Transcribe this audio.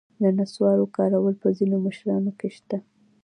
د نصوارو کارول په ځینو مشرانو کې شته.